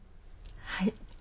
はい。